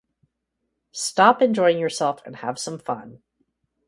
"Stop enjoying yourself and have some fun".